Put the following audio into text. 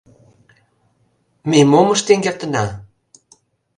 — Ме мом ыштен кертына?